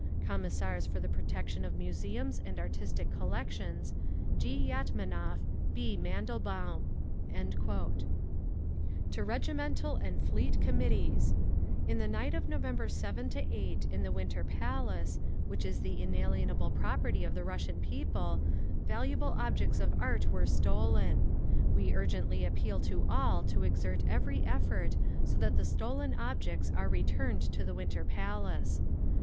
"Commissars for the Protection of Museums and Artistic Collections, "G. YATMANOV, B. MANDELBAUM." "TO REGIMENTAL AND FLEET COMMITTEES "In the night of November 7 8, in the Winter Palace, which is the inalienable property of the Russian people, valuable objects of art were stolen. "We urgently appeal to all to exert every effort, so that the stolen objects are returned to the Winter Palace.